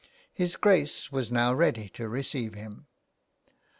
His Grace was now ready to receive him.